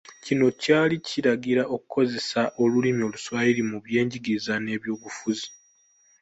Kino kyali kiragira okukozesa olulimi oluswayiri mu byengiriza n’eby’obufuzi.